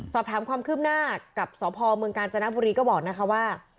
สอบถามความคืบหน้ากับสพเมืองกาญจนบุรีก็บอกนะคะว่า